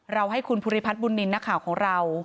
ให้คุณภูริพัฒน์บุญนินทร์นักข่าวของเรา